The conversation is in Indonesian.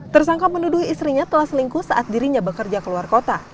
tersangka menuduh istrinya telah selingkuh saat dirinya bekerja keluar kota